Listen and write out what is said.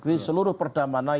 jadi seluruh perda mana yang